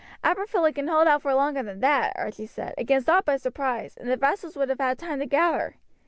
"Aberfilly can hold out for longer than that," Archie said, "against aught but surprise, and the vassals would have had time to gather."